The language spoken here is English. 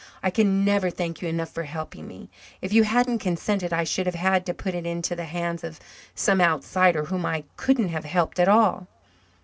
I can never thank you enough for helping me. If you hadn't consented I should have had to put it into the hands of some outsider whom I couldn't have helped at all.